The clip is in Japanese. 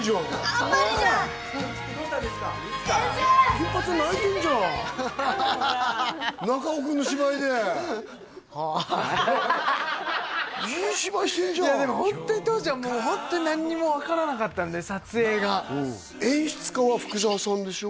金八泣いてんじゃん中尾君の芝居ではあいい芝居してんじゃんいやでもホントに当時はもうホントに何にも分からなかったんで撮影が演出家は福澤さんでしょ？